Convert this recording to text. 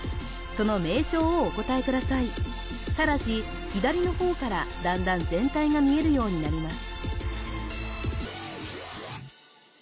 その名称をお答えくださいただし左の方からだんだん全体が見えるようになります